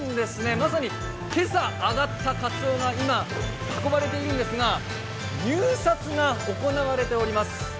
まさに今朝、揚がったかつおが今、運ばれているんですが入札が行われております。